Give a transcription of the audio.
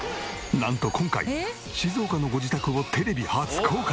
なんと今回静岡のご自宅をテレビ初公開！